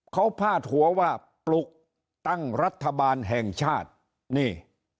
เขาพาดหัวว่าปลุกตั้งรัฐบาลแห่งชาตินี่